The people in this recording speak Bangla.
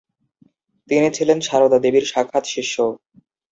তিনি ছিলেন সারদা দেবীর সাক্ষাৎ শিষ্য।